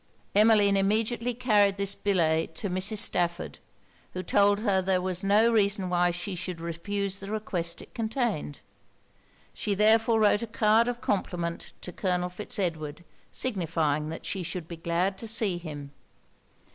Emmeline immediately carried this billet to Mrs. Stafford; who told her there was no reason why she should refuse the request it contained. She therefore wrote a card of compliment to Colonel Fitz Edward, signifying that she should be glad to see him.